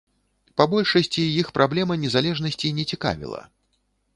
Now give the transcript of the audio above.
Па большасці іх праблема незалежнасці не цікавіла.